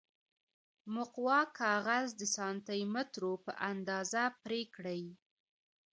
مقوا کاغذ د سانتي مترو په اندازه پرې کړئ.